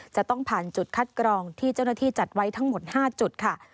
จะต้องผ่านจุดคัดกรองที่เจ้าหน้าที่จัดไว้ทั้งหมด๕จุดค่ะ